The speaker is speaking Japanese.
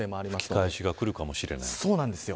吹き返しがくるかもしれないです。